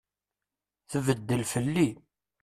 Tbeddel fell-i.